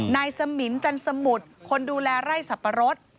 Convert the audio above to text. นายสมินจันสมุทรคนดูแลไร่สับปะรด